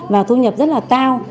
và thu nhập rất là cao